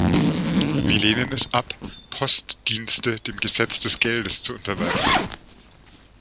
Wir lehnen es ab, Postdienste dem Gesetz des Geldes zu unterwerfen.